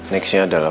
next nya adalah